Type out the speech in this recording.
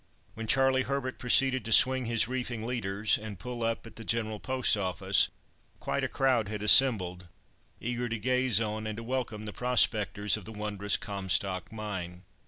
When Charlie Herbert proceeded to "swing his reefing leaders," and pull up at the General Post Office, quite a crowd had assembled, eager to gaze on, and to welcome the prospectors of the wondrous Comstock mine.